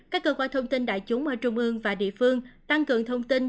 các cơ quan thông tin đại chúng ở trung ương và địa phương tăng cường thông tin